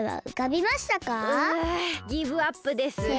うギブアップです！